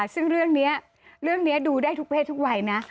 ซึ่งเรื่องนี้ดูได้ทุกเพศทุกวัยนะ